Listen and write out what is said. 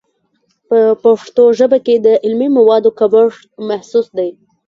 په پښتو ژبه کې د علمي موادو کمښت محسوس دی.